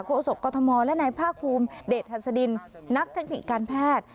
โศกกรทมและนายภาคภูมิเดชหัสดินนักเทคนิคการแพทย์